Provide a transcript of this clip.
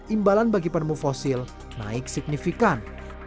imbalan bagi penemu fosil naik signifikan